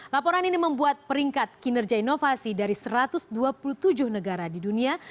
laporan ini membuat peringkat kinerja inovasi dari satu ratus dua puluh tujuh negara di dunia